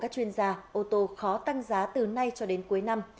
các chuyên gia ô tô khó tăng giá từ nay cho đến cuối năm